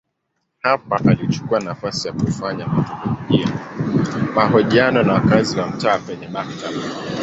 Hapa alichukua nafasi ya kufanya mahojiano na wakazi wa mtaa penye maktaba.